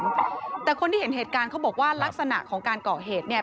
แต่คนที่เห็นเหตุการณ์เขาบอกว่าลักษณะของการก่อเหตุเนี่ย